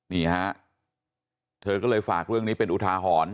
นี่ฮะเธอก็เลยฝากเรื่องนี้เป็นอุทาหรณ์